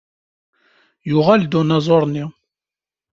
Yuɣal-d unaẓuṛ-nni.